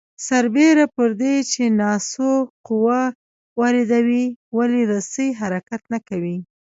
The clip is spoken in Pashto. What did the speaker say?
سربېره پر دې چې تاسو قوه واردوئ ولې رسۍ حرکت نه کوي؟